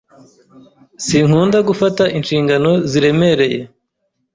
Sinkunda gufata inshingano ziremereye.